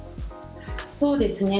そうですね。